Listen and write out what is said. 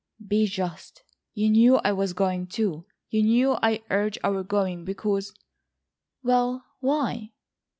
"Be just. You knew I was going too. You knew I urged our going because—" "Well, why?"